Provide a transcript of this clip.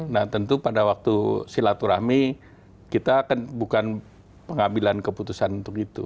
nah tentu pada waktu silaturahmi kita kan bukan pengambilan keputusan untuk itu